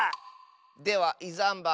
では「いざんば」